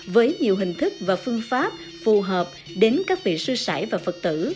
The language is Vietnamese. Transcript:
với nhiều hình thức và phương pháp phù hợp đến các vị sư sải và phật tử